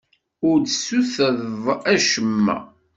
Ur d-tessutreḍ acemma.